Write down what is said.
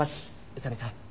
宇佐見さん。